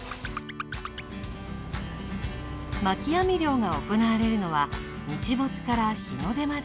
巻き網漁が行われるのは日没から日の出まで。